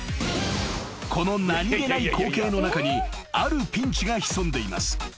［この何気ない光景の中にあるピンチが潜んでいます］